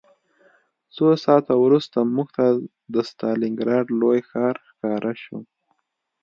څو ساعته وروسته موږ ته د ستالینګراډ لوی ښار ښکاره شو